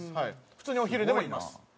普通にお昼でもいます。